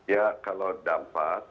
ya kalau dampak